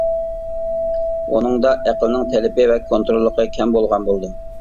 ئۇنىڭدا ئەقىلنىڭ تەلىپى ۋە كونتروللۇقى كەم بولغان بولىدۇ.